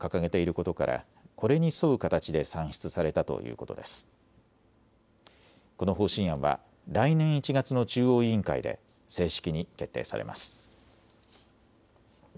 この方針案は来年１月の中央委員会で正式に決定されます。